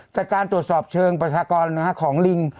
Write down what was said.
จากการตรวจสอบเชิงประชากรของลิง